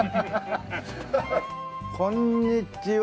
こんにちは。